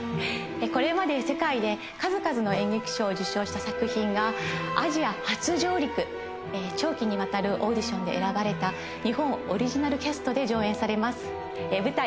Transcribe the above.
これまで世界で数々の演劇賞を受賞した作品がアジア初上陸長期にわたるオーディションで選ばれた日本オリジナルキャストで上演されます舞台